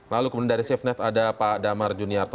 lalu kemudian dari safenet ada pak damar juniarto